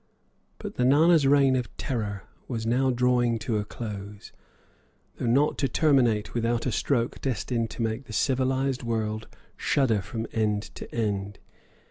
But the Nana's reign of terror was now drawing to a close, though not to terminate without a stroke destined to make the civilized world shudder from end to end.